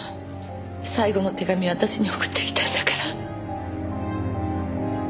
最後の手紙私に送ってきたんだから。